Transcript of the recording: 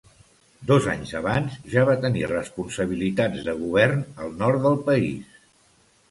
Dos anys abans ja va tenir responsabilitats de govern al nord del país.